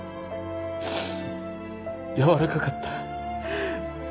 やわらかかった。